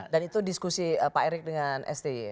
dan itu diskusi pak erik dengan sti ya